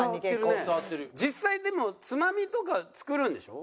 実際でもつまみとか作るんでしょ？